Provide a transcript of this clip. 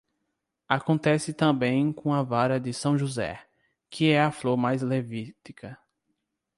Acontece também com a vara de São José, que é a flor mais levítica.